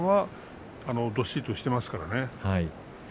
どっしりとしていますね。